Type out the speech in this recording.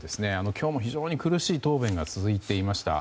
今日も非常に苦しい答弁が続いていました。